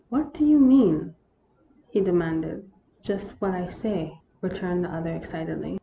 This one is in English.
" What do you mean ?" he demanded. " Just what I say," returned the other, excitedly.